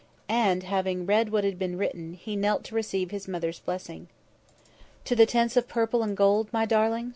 And, having read what had been written, he knelt to receive his mother's blessing. "To the Tents of Purple and Gold, my darling?"